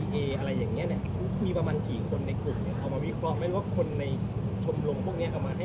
หมอบรรยาหมอบรรยา